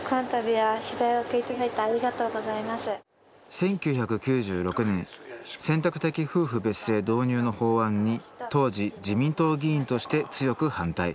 １９９６年「選択的夫婦別姓」導入の法案に当時自民党議員として強く反対。